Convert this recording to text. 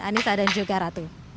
anissa dan juga ratu